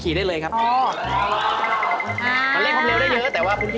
ขี่ได้เลยครับครับอ๋อแล้วแรง